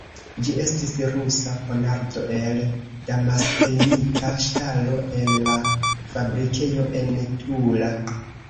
Ĝi estis Rusa ponardo, el damaskenita ŝtalo, el la fabrikejo en Tula.